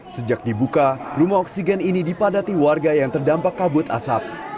sejak dibuka rumah oksigen ini dipadati warga yang terdampak kabut asap